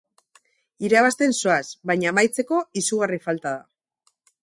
Irabazten zoaz baina amaitzeko izugarri falta da.